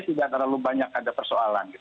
tidak terlalu banyak ada persoalan